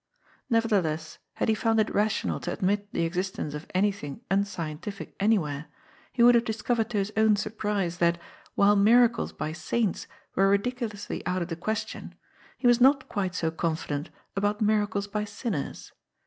y Kevertheless, had he found it rational to admit the ex istence of anything unscientific anywhere, he would have discovered to his own surprise that, while miracles by saints were ridiculously out of the question, he was not quite so confident about miracles by sinners.